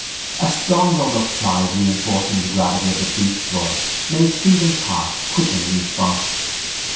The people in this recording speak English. A strong note of pride reinforcing the gravity of the priest's voice made Stephen's heart quicken in response.